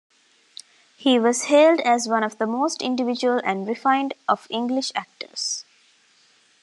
He was hailed as one of the most individual and refined of English actors.